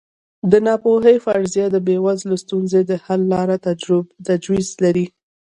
د ناپوهۍ فرضیه د بېوزلۍ ستونزې د حل لپاره تجویز لري.